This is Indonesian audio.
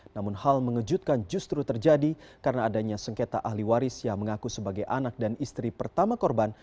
namun hal mengejutkan justru terjadi karena adanya sengketa ahli waris yang mengaku sebagai anak dan istri pertama korban